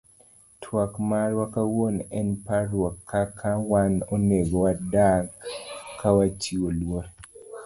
Twak marwa kawuono en parrouk kaka wan onego wadak kawachiwo luor.